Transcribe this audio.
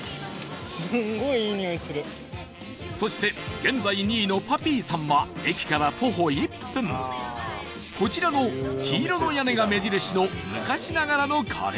そして現在２位のパピーさんは駅から徒歩１分こちらの黄色の屋根が目印の昔ながらのカレー屋さん